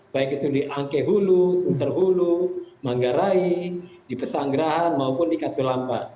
baik itu di angkehulu suterhulu manggarai di pesanggerahan maupun di katulamba